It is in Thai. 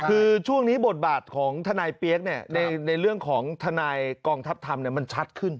คือช่วงนี้บทบาทของทนายเปี๊ยกในเรื่องของทนายกองทัพธรรมมันชัดขึ้น